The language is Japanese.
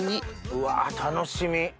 うわ楽しみ。